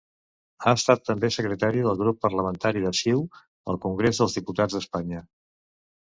Ha estat també Secretari del Grup Parlamentari de CiU al Congrés dels Diputats d'Espanya.